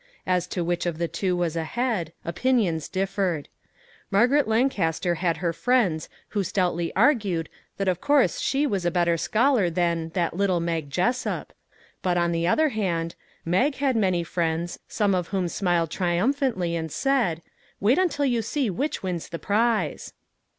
As to which of the two was ahead, opinions differed. Margaret Lancaster had her friends who stoutly argued that of course she 357 MAG AND MARGARET was a better scholar than " that little Mag Jessup !" But, on the other hand, Mag had many friends, some of whom smiled trium phantly and said :" Wait until you see which wins the prize."